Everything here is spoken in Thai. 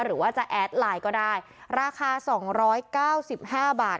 หรือว่าจะแอดไลน์ก็ได้ราคาสองร้อยเก้าสิบห้าบาท